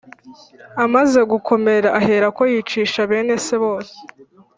amaze gukomera aherako yicisha bene se bose